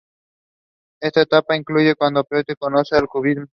Esta etapa concluye cuando Pettoruti conoce el cubismo.